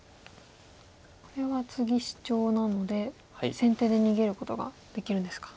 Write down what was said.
これは次シチョウなので先手で逃げることができるんですか。